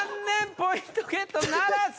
ポイントゲットならず。